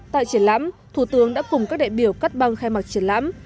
tại triển lãm thủ tướng đã cùng các đại biểu cắt băng khai mặt triển lãm